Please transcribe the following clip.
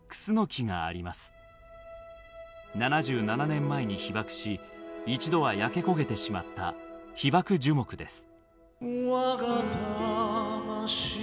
７７年前に被爆し一度は焼け焦げてしまった被爆樹木です。